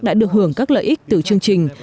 đã được hưởng các lợi ích từ chương trình